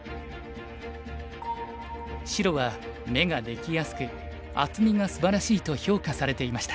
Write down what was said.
白は眼ができやすく厚みがすばらしいと評価されていました。